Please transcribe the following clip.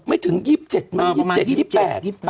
ไม่ถึง๒๗มัน๒๗๒๘